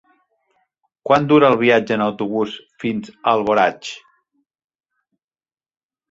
Quant dura el viatge en autobús fins a Alboraig?